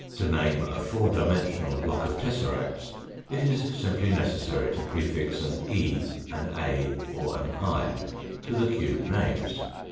To name a four dimensional block of tesseracts it is simply necessary to prefix an " e," an " a," or an " i " to the cube names.